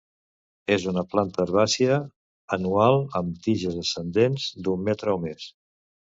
És una planta herbàcia anual amb tiges ascendents d'un metre o més.